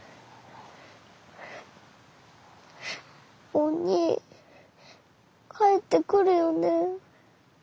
おにぃ帰ってくるよね。